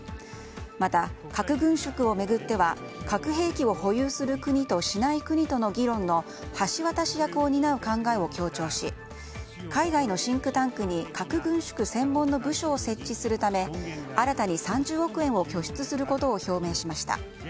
また、核軍縮を巡っては核兵器を保有する国としない国との議論の橋渡し役を担う考えを強調し海外のシンクタンクに核軍縮専門の部署を設置するため新たに３０億円を拠出することを表明しました。